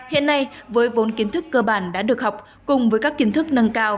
hiện nay với vốn kiến thức cơ bản đã được học cùng với các kiến thức nâng cao